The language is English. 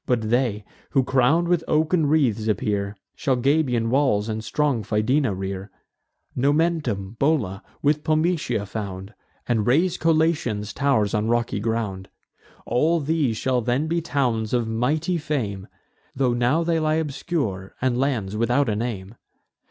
But they, who crown'd with oaken wreaths appear, Shall Gabian walls and strong Fidena rear; Nomentum, Bola, with Pometia, found; And raise Collatian tow'rs on rocky ground. All these shall then be towns of mighty fame, Tho' now they lie obscure, and lands without a name.